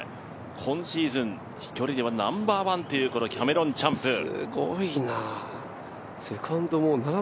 今シーズン飛距離ではナンバーワンというこのキャメロン・チャンプ。